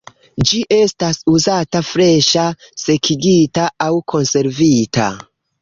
Ĝi estas uzata freŝa, sekigita aŭ konservita.